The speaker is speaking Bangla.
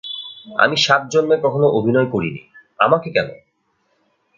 আমি সাত জন্মে কখনো অভিনয় করি নি– আমাকে কেন?